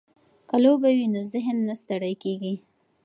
که لوبه وي نو ذهن نه ستړی کیږي.